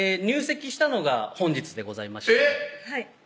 入籍したのが本日でございましてえぇっ！